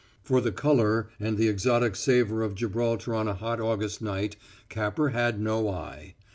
For the color and the exotic savor of Gibraltar on a hot August night Capper had no eye.